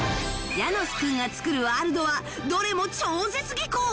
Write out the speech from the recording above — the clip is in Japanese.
ヤノスくんが作るワールドはどれも超絶技巧！